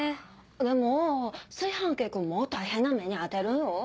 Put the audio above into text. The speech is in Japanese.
でも炊飯器君も大変な目に遭ってるよ？